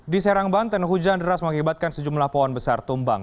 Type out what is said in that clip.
di serang banten hujan deras mengakibatkan sejumlah pohon besar tumbang